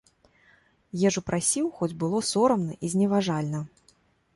Ежу прасіў, хоць было сорамна і зневажальна.